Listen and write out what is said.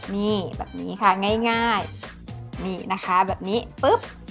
นี่แบบนี้ค่ะง่ายนี่นะคะแบบนี้ปุ๊บ